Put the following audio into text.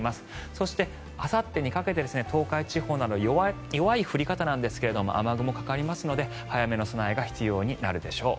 そして、あさってにかけて東海地方に弱い降り方なんですが雨雲がかかりますので早めの備えが必要になるでしょう。